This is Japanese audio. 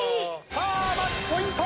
さあマッチポイント！